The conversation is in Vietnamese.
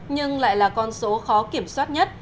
nhưng lại là con số khó kiểm soát nhất